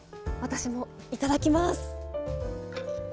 私もいただきます！